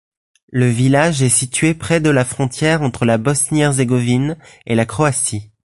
Le village est situé près de la frontière entre la Bosnie-Herzégovine et la Croatie.